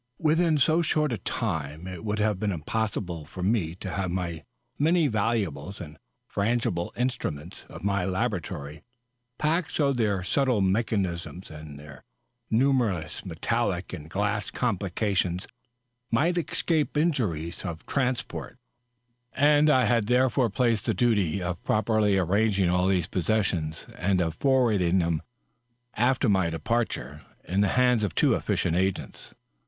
Within so short a time it would have been impossible for me to have the many valuable and frangible instruments of my laboratory packed so that their subtle mechanisms, their numberless metallic or d^ass complications, might escape injuries of transport ; and I had therefore placed the duty of properly arranging all these possessions, and of &rwarding them after my departure, in the hands of two efficient agents.